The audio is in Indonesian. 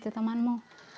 tidak ada yang mau